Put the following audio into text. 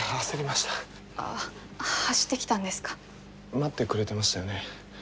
待ってくれてましたよね。